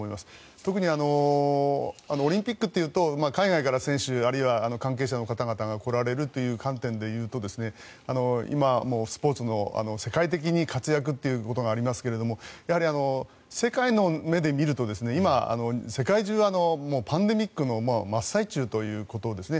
特にオリンピックというと海外から選手あるいは関係者の方々が来られるという観点で言うと今、スポーツで世界的に活躍ということがありますがやはり世界の目で見ると今、世界中がパンデミックの真っ最中ということですね。